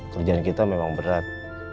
kerjaan kita memang berat